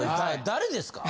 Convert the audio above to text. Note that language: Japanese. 誰ですか？